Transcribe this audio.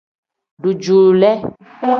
Dujuule.